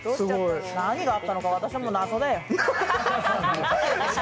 何があったのか、私も謎だよ。